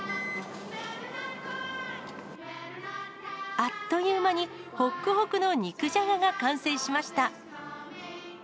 あっという間に、ほっくほくの肉じゃがが完成しました。